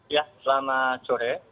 ya selamat sore